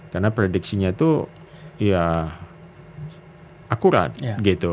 karena prediksinya itu ya akurat gitu